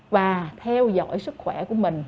và theo dõi sức khỏe của mình